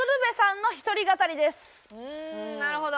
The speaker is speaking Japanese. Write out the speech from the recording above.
うんなるほど！